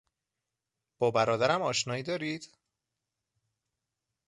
با برادرم آشنایی دارید؟